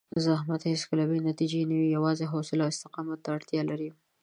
زحمت هېڅکله بې نتیجې نه وي، یوازې حوصله او استقامت ته اړتیا لري.